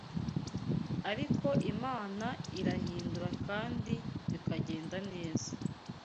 Ariko Imana irahindura kandi bikagenda neza